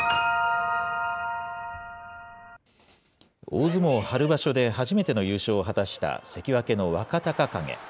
大相撲春場所で初めての優勝を果たした、関脇の若隆景。